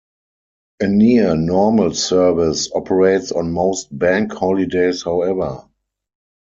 A near normal service operates on most bank holidays however.